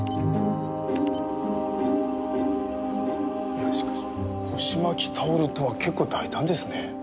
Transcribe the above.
いやしかし腰巻きタオルとは結構大胆ですね。